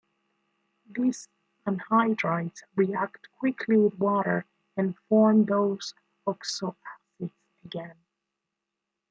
These anhydrides react quickly with water and form those oxoacids again.